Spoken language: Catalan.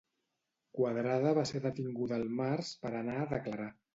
Quadrada va ser detinguda al març per anar a declarar.